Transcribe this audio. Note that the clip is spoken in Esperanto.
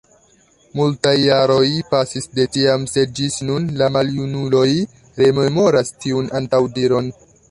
Multaj jaroj pasis de tiam, sed ĝis nun la maljunuloj rememoras tiun antaŭdiron.